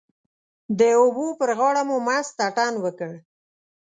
د اوبو پر غاړه مو مست اتڼ وکړ.